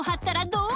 どう？